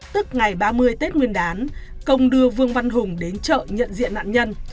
tức ngày ba mươi tết nguyên đán công đưa vương văn hùng đến chợ nhận diện nạn nhân